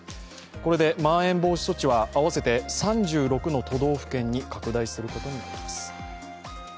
これで、まん延防止措置は合わせて３６の都道府県に拡大することになります。